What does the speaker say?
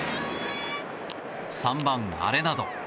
３番、アレナド。